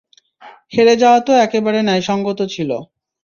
হেরে যাওয়া তো একেবারে ন্যায়সঙ্গত ছিল।